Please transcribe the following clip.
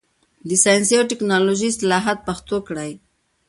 د ساینس او ټکنالوژۍ اصطلاحات پښتو کړئ.